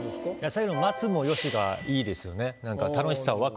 最後の「待つもよし」が良いですよね。